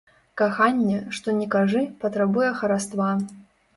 Каханне, што ні кажы, патрабуе хараства.